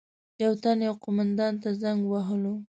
یو تن یو قومندان ته زنګ وهلو.